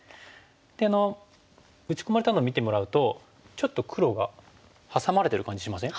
で打ち込まれたのを見てもらうとちょっと黒がハサまれてる感じしません？